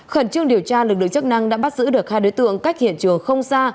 khẩn trương điều tra lực lượng chức năng đã bắt giữ được hai đối tượng cách hiện trường không xa